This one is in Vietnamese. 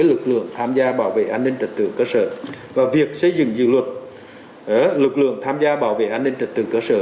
lực lượng tham gia bảo vệ an ninh trật tự cơ sở và việc xây dựng dự luật lực lượng tham gia bảo vệ an ninh trật tự cơ sở